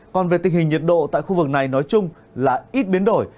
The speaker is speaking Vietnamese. còn về tình hình nhiệt độ tại khu vực này nói chung là ít biến đổi